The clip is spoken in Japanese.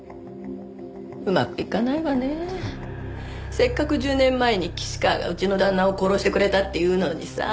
せっかく１０年前に岸川がうちの旦那を殺してくれたっていうのにさ。